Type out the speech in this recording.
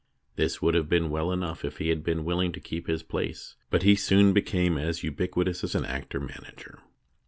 This would have been well enough if he had been willing to keep his place, but he soon became as ubiquitous as an actor manager.